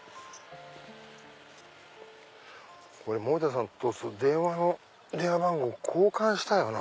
俺森田さんと電話番号交換したよな。